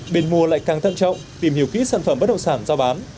biên mùa lại càng thân trọng tìm hiểu kỹ sản phẩm bất động sản giao bán